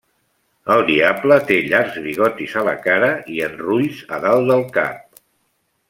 El diable té llargs bigotis a la cara i en rulls a dalt del cap.